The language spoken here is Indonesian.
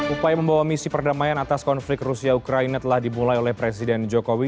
upaya membawa misi perdamaian atas konflik rusia ukraina telah dimulai oleh presiden jokowi